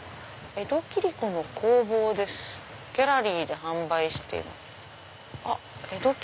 「江戸切子の工房ですギャラリーで販売もしています」。